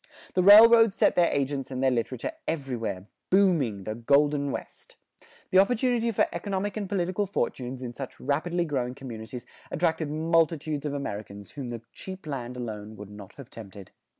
The railroads sent their agents and their literature everywhere, "booming" the "Golden West"; the opportunity for economic and political fortunes in such rapidly growing communities attracted multitudes of Americans whom the cheap land alone would not have tempted.